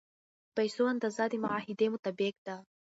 د پیسو اندازه د معاهدې مطابق ده.